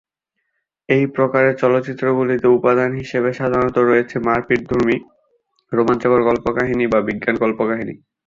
এই প্রকারের চলচ্চিত্রগুলিতে উপাদান হিসেবে সাধারণত রয়েছে মারপিঠধর্মী, রোমাঞ্চকর, কল্পকাহিনী বা বিজ্ঞান-কল্পকাহিনী।